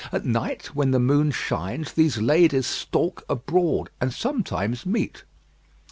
At night, when the moon shines, these ladies stalk abroad, and sometimes meet.